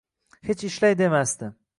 Hech ishlay demasdi